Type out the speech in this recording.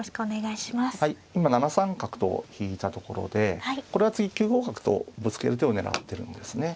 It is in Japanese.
はい今７三角と引いたところでこれは次９五角とぶつける手を狙ってるんですね。